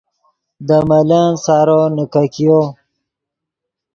دے ملن سارو نیکګیو